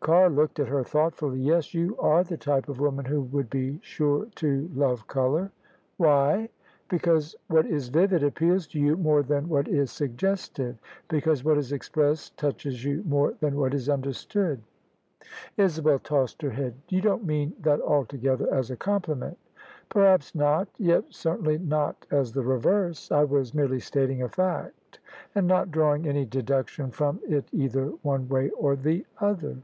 Carr looked at her thoughtfully. " Yes; you are the type of woman who would be sure to love colour." "Why?" " Because what is vivid appeals to you more than what is suggestive; because what is expressed touches you more than what is imderstood." Isabel tossed her head, " You don't mean that altogether as a compliment." "Perhaps not; yet certainly not as the reverse. I was merely stating a fact, and not drawing any deduction from It either one way or the other."